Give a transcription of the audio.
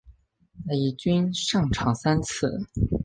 在一军上场三次。